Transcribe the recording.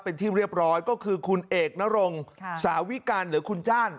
เป็นที่เรียบร้อยก็คือคุณเอกนรงสาวิกัลหรือคุณจ้าน